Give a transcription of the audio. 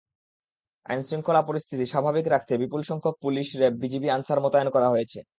আইনশৃঙ্খলা পরিস্থিতি স্বাভাবিক রাখতে বিপুলসংখ্যক পুলিশ, র্যাব, বিজিবি, আনসার মোতায়েন করা হয়েছে।